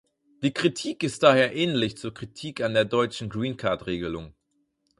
Die Kritik ist daher ähnlich zur Kritik an der deutschen Greencard-Regelung.